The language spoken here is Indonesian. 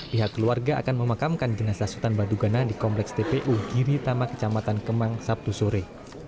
pihak keluarga akan memakamkan jenazah sultan batu gana di kompleks tpu giri tama kecamatan kemang sabtu sore